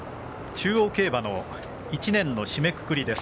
中央競馬の一年の締めくくりです。